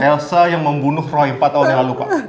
elsa yang membunuh roy empat tahun yang lalu pak